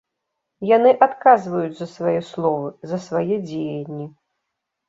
Яны адказваюць за свае словы, за свае дзеянні.